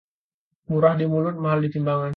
Murah di mulut mahal di timbangan